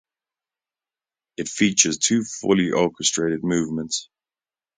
It features two fully orchestrated movements.